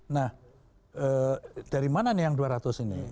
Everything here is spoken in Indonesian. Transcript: nah dari mana nih yang dua ratus ini